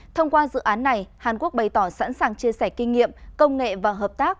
thông qua dự án này hàn quốc bày tỏ sẵn sàng chia sẻ kinh nghiệm công nghệ và hợp tác